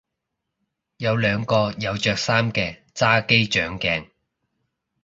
有兩個有着衫嘅揸機掌鏡